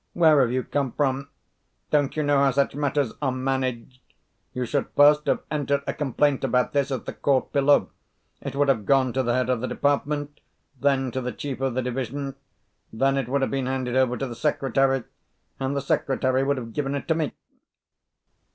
Where have you come from? Don't you know how such matters are managed? You should first have entered a complaint about this at the court below: it would have gone to the head of the department, then to the chief of the division, then it would have been handed over to the secretary, and the secretary would have given it to me."